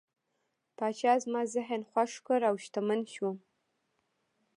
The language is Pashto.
پاچا زما زین خوښ کړ او شتمن شوم.